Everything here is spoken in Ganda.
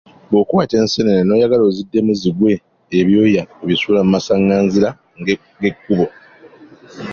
Bw'okwata enseenene n'oyagala ziddemu zigwe ebyoya obisuula mu masanganzira g'ekkubo.